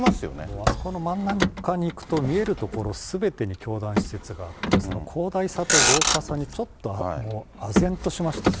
もうあそこの真ん中に行くと、見える所すべてに教団施設があって、その広大さと豪華さにちょっとあぜんとしましたね。